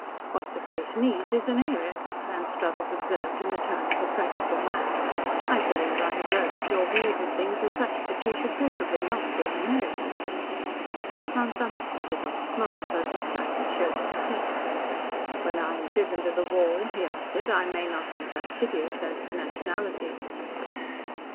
"What the place needs is an heiress," Anstruthers observed in the tone of a practical man. "I believe I have heard that your views of things are such that she should preferably NOT be an American." Mount Dunstan did not smile, though he slightly showed his teeth. "When I am driven to the wall," he answered, "I may not be fastidious as to nationality."